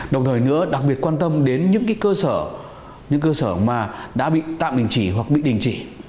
đồng thời nữa đặc biệt quan tâm đến những cơ sở mà đã bị tạm đình chỉ hoặc bị đình chỉ